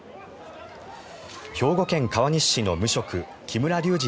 兵庫県川西市の無職・木村隆二